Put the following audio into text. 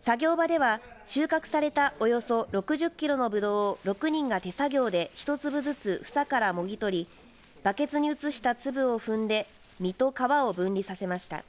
作業場では収穫されたおよそ６０キロのぶどうを６人が手作業で一粒ずつ房からもぎ取りバケツに移した粒を踏んで実と皮を分離させました。